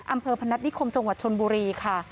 พนัฐนิคมจังหวัดชนบุรีค่ะ